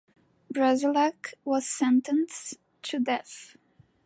Brasillach was sentenced to death.